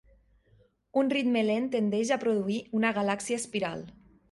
Un ritme lent tendeix a produir una galàxia espiral.